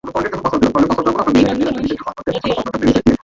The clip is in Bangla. বিমান সংস্থাটি অভ্যন্তরীণ এবং আন্তর্জাতিক রুটে কার্গো ফ্লাইট পরিচালনা করে।